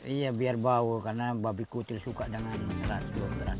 iya biar bau karena babi kutil suka dengan terasi